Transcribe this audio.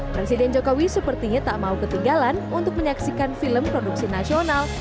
presiden jokowi sepertinya tak mau ketinggalan untuk menyaksikan film produksi nasional